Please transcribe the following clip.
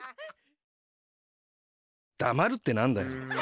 だまるってなんだよ。